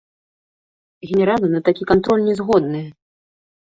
Генералы на такі кантроль не згодныя.